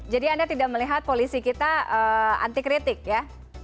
jadi anda tidak melihat polisi kita antikritik ya